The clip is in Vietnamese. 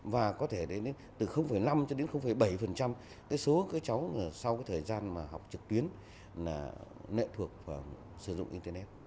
và có thể đến từ năm cho đến bảy các cháu sau thời gian học trực tuyến lệ thuộc vào sử dụng internet